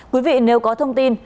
quý vị nếu có thông tin